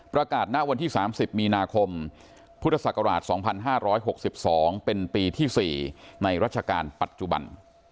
ณวันที่๓๐มีนาคมพุทธศักราช๒๕๖๒เป็นปีที่๔ในรัชกาลปัจจุบัน